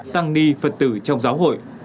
tăng ni phật tử trong giáo hội